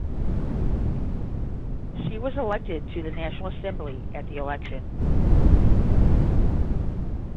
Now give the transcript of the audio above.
She was elected to the National Assembly at the election.